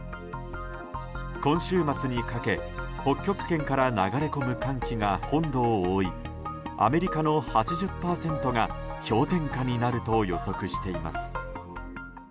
今週末にかけ、北極圏から流れ込む寒気が本土を覆いアメリカの８０％が氷点下になると予測しています。